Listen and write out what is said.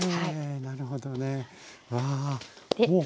なるほどね。